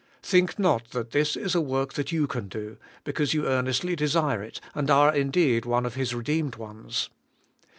Think not that this is a work that you can do, because you ear nestly desire it, and are indeed one of His redeemed ones.